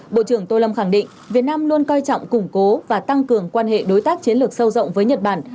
bộ trưởng tô lâm khẳng định việt nam luôn coi trọng củng cố và tăng cường quan hệ đối tác chiến lược sâu rộng với nhật bản